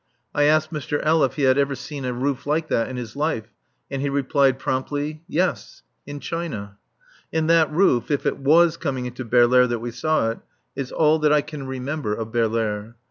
I asked Mr. L. if he had ever seen a roof like that in his life and he replied promptly, "Yes; in China." And that roof if it was coming into Baerlaere that we saw it is all that I can remember of Baerlaere.